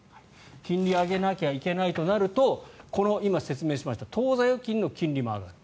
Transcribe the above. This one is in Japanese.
金利を上げなきゃいけないとなると今、説明しました当座預金の金利も上がる。